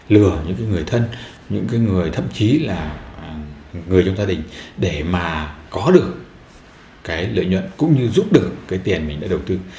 lừa những người thân những cái người thậm chí là người trong gia đình để mà có được cái lợi nhuận cũng như giúp được cái tiền mình đã đầu tư